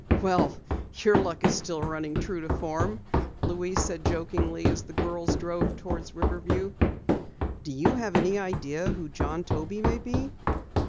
"Well, your luck is still running true to form," Louise said jokingly, as the girls drove toward Riverview. "Do you have any idea who John Toby may be?"